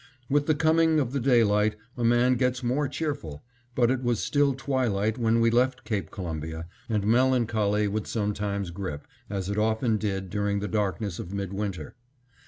With the coming of the daylight a man gets more cheerful, but it was still twilight when we left Cape Columbia, and melancholy would sometimes grip, as it often did during the darkness of midwinter.